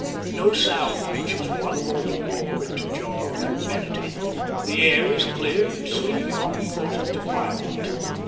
No sound reaches one of all the roar and jar of humanity, the air is clear and sweet beyond the thought of defilement.